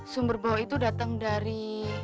sumber bawah itu datang dari